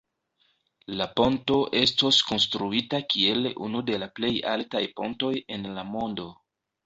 La ponto estos konstruita kiel unu de la plej altaj pontoj en la mondo.